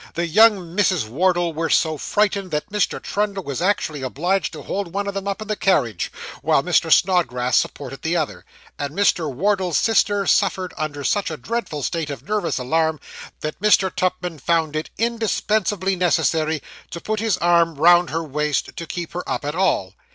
The young Misses Wardle were so frightened, that Mr. Trundle was actually obliged to hold one of them up in the carriage, while Mr. Snodgrass supported the other; and Mr. Wardle's sister suffered under such a dreadful state of nervous alarm, that Mr. Tupman found it indispensably necessary to put his arm round her waist, to keep her up at all.